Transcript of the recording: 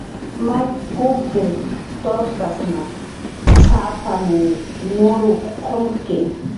"May kukriq turkasn cx""ap""panw nurup"" qumwata."